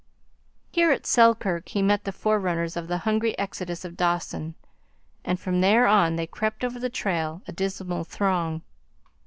Here at Selkirk he met the forerunners of the hungry exodus of Dawson, and from there on they crept over the trail, a dismal throng.